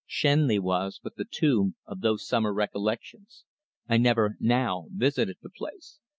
Shenley was but the tomb of those summer recollections. I never now visited the place.